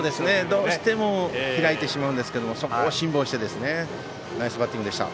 どうしても開いてしまうんですけどそこを辛抱してナイスバッティングでした。